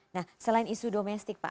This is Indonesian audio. nah selain isu domestik pak